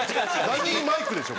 ダミーマイクでしょ？